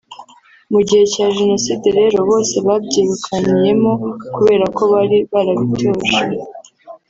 Mu gihe cya Jenoside rero bose babyirukankiyemo kubera ko bari barabitojwe